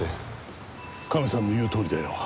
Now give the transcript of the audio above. カメさんの言うとおりだよ。